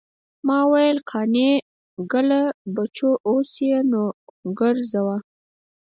ما ویل قانع ګله بچو اوس یې نو ګزوه.